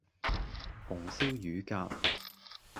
紅燒乳鴿